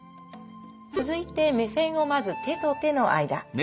続いて目線をまず手と手の間。